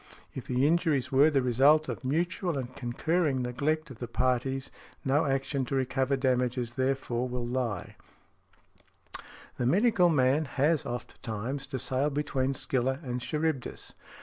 If the injuries were |71| the result of mutual and concurring neglect of the parties no action to recover damages therefor will lie . The medical man has ofttimes to sail between Scylla and Charybdis.